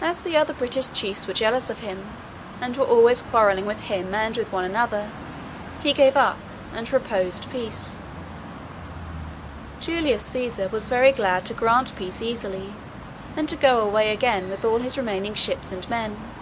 As the other British chiefs were jealous of him, and were always quarrelling with him, and with one another, he gave up, and proposed peace. Julius Cæsar was very glad to grant peace easily, and to go away again with all his remaining ships and men.